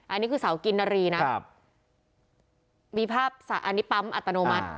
อันนี้คือเบาหญิงกินนารีนะครับวิธรรมนี้ปั๊มอัตโนมัติ